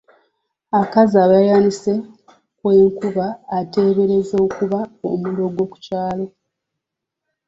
Akaza by'ayanise okw'enkuba aba ateeberezebwa okuba omulogo ku kyalo.